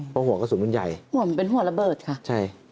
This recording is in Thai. เพราะหัวกระสุนเป็นคู่ะลุนใหญ่